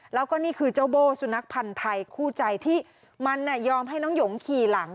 แล้วก็นี่คือเจ้าโบ้สุนัขพันธ์ไทยคู่ใจที่มันยอมให้น้องหยงขี่หลัง